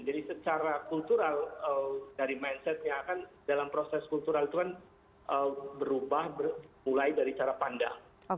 jadi secara kultural dari mindsetnya akan dalam proses kultural itu kan berubah mulai dari cara pandang